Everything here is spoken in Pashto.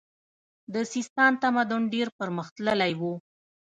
د سیستان تمدن ډیر پرمختللی و